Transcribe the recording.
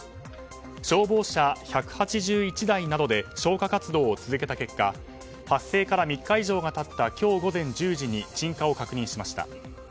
消防車１８１台などで消火活動を続けた結果発生から３日以上が経った今日午前１０時に鎮火を確認しました。